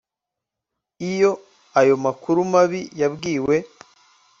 Iyo ayo makuru mabi yabwiwe